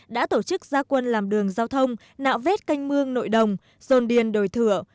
đã tổ chức gia quân làm đường giao thông nạo vết canh mương nội đồng dồn điên đồi thựa